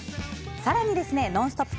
更に、「ノンストップ！」